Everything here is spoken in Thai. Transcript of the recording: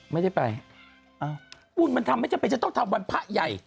ไม่ได้ไปบุญมันทำไม่จำเป็นจะต้องทำเป็นนพะใหญ่